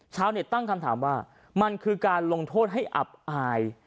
ชาวเน็ตตั้งคำถามว่ามันคือการลงโทษให้อับอาย